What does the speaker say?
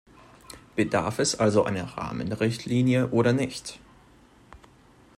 Bedarf es also einer Rahmenrichtlinie oder nicht?